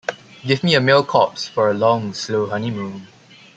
Give me a male corpse for a long slow honeymoon.